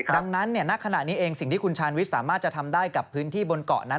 ดังนั้นณขณะนี้เองสิ่งที่คุณชาญวิทย์สามารถจะทำได้กับพื้นที่บนเกาะนั้น